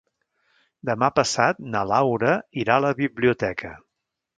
Demà passat na Laura irà a la biblioteca.